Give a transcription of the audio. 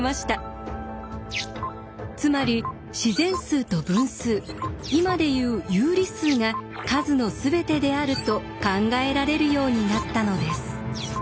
つまり自然数と分数今で言う有理数が数のすべてであると考えられるようになったのです。